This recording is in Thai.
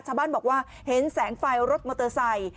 ชาวบ้านบอกว่าเห็นแสงไฟรถมอเตอร์ไซค์